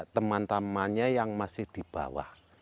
teman temannya yang masih di bawah